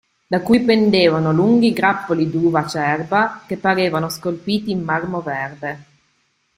Da cui pendevano lunghi grappoli d'uva acerba che parevano scolpiti in marmo verde.